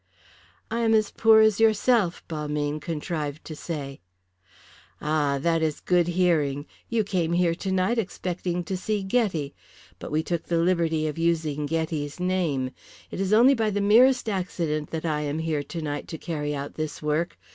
"I am as poor as yourself," Balmayne contrived to say. "Ah! That is good hearing. You came here tonight expecting to see Ghetti. But we took the liberty of using Ghetti's name. It is only by the merest accident that I am here tonight to carry out this work.